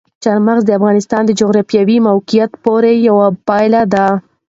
چار مغز د افغانستان د جغرافیایي موقیعت پوره یوه پایله ده.